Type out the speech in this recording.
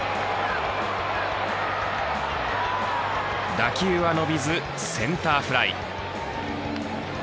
打球は伸びずセンターフライ。